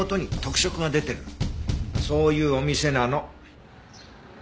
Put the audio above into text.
そういうお店なの。